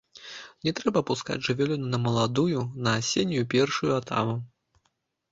Не трэба пускаць жывёлу на маладую, на асеннюю першую атаву.